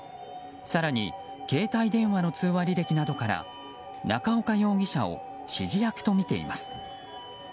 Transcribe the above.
更に携帯電話の通話履歴などから中岡容疑者を指示役とみています。